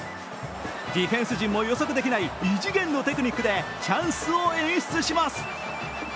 ディフェンス陣も予測できない異次元のテクニックでチャンスを演出します。